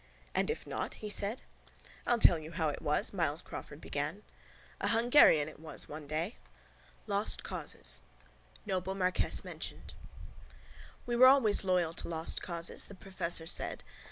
—And if not? he said. —I'll tell you how it was, Myles Crawford began. A Hungarian it was one day... LOST CAUSES NOBLE MARQUESS MENTIONED —We were always loyal to lost causes, the professor said.